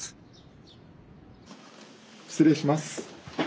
失礼します。